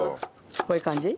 こういう感じ？